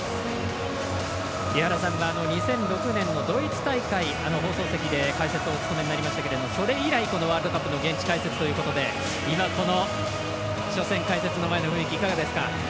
井原さんは２００６年のドイツ大会、放送席で解説をお務めになりましたけどそれ以来、このワールドカップの現地解説ということで今、この初戦、解説席の雰囲気いかがですか？